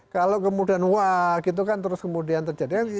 kalau kemudian wah gitu kan terus kemudian terjadi